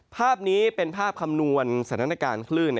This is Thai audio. ภาพนี้เป็นภาพคำนวณสถานการณ์คลื่น